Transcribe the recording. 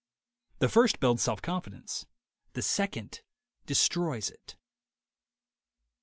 The first builds self confidence; the second destroys it.